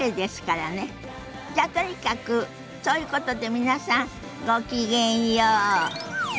じゃとにかくそういうことで皆さんご機嫌よう。